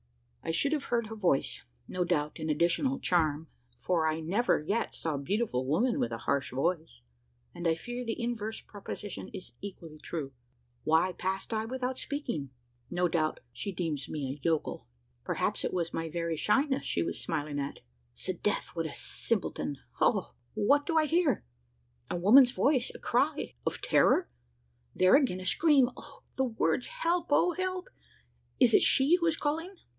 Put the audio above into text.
I should have heard her voice no doubt an additional charm for I never yet saw a beautiful woman with a harsh voice; and I fear the inverse proposition is equally true. Why passed I without speaking? No doubt, she deems me a yokel! Perhaps it was my very shyness she was smiling at? S'death! what a simpleton Ho! what do I hear? A woman's voice a cry? of terror? There again! a scream! the words, "Help, oh! help!" Is it she who is calling?